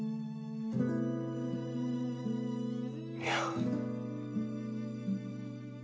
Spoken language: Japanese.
いや。